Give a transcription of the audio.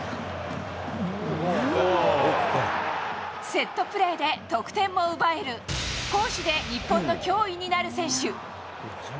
セットプレーで得点も奪える、攻守で日本の脅威になる選手。